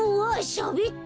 しゃべった！